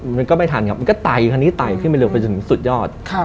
มันก็ไม่ทันครับมันก็ไตคันนี้ไตไปสุดยอด